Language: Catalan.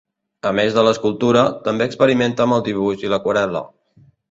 A més de l'escultura, també experimenta amb el dibuix i l'aquarel·la.